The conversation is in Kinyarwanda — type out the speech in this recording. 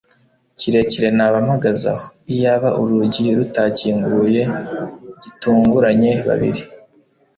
kirekire naba mpagaze aho, iyaba urugi rutakinguye gitunguranye. babiri